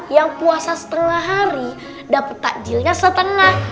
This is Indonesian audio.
yang puasa setengah hari dapat takjilnya setengah